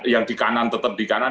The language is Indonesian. yang di kanan tetap di kanan